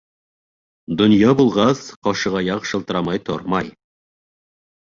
Донъя булғас, ҡашығаяҡ шылтырамай тормай.